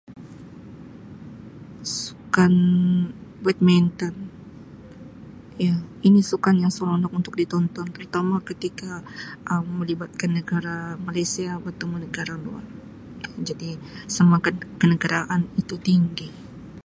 Sukan badminton ya ini sukan yang seronok untuk ditonton terutama ketika Um melibatkan negara Malaysia bertemu negara luar jadi semangat kenegaraan itu tinggi.